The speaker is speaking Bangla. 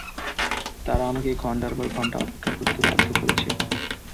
তারা আমাকে ঘণ্টার পর ঘণ্টা অপেক্ষা করতে বাধ্য করেছে।